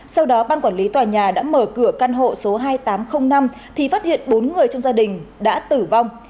sau đó ban quản lý tòa nhà đã mở cửa căn hộ số hai nghìn tám trăm linh năm thì phát hiện bốn người trong gia đình đã tử vong